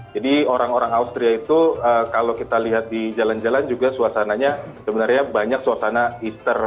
jadi orang orang austria itu kalau kita lihat di jalan jalan juga suasananya sebenarnya banyak suasana easter